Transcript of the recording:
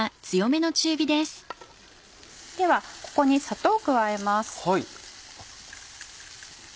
ではここに砂糖を加えます。